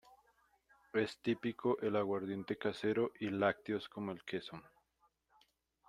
Es típico el aguardiente casero y lácteos como el queso.